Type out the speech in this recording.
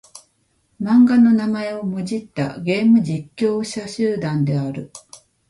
漫画の名前をもじったゲーム実況者集団である。